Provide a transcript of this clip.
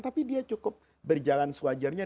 tapi dia cukup berjalan sewajarnya